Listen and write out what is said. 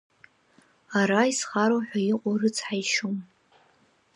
Ара изхароу ҳәа иҟоу рыцҳаишьом.